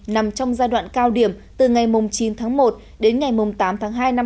nằm trong giai đoạn cao điểm từ ngày chín tháng một đến ngày tám tháng hai năm hai nghìn hai mươi